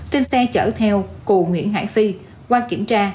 trên xe chở theo cù nguyễn hải phi qua kiểm tra